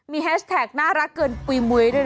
มีแฮชแท็กน่ารักเกินปุ๋ยมุ้ยด้วยนะ